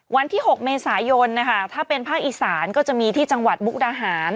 วันที่๖เมษายนนะคะถ้าเป็นภาคอีสานก็จะมีที่จังหวัดมุกดาหาร